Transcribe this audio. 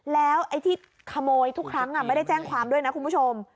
แล้วไอ้ที่ขโมยทุกครั้งไม่ได้แจ้งความด้วยนะคุณผู้ชม